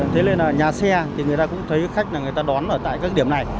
thế nên là nhà xe thì người ta cũng thấy khách là người ta đón ở tại các điểm này